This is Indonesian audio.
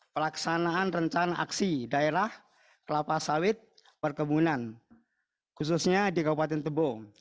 pelaksanaan rencana aksi daerah kelapa sawit perkebunan khususnya di kabupaten tebong